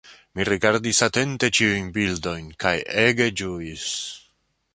Mi rigardis atente ĉiujn bildojn kaj ege ĝuis.